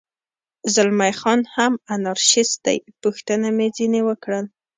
زلمی خان هم انارشیست دی، پوښتنه مې ځنې وکړل.